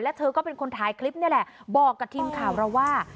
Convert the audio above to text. เธอก็เป็นคนถ่ายคลิปนี่แหละบอกกับทีมข่าวเราว่า